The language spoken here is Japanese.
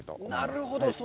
なるほど。